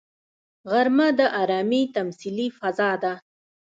غرمه د ارامي تمثیلي فضا ده